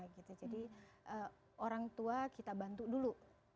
jadi orang tua kita bantu dulu